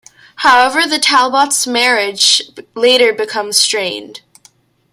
However, The Talbots' marriage later becomes strained.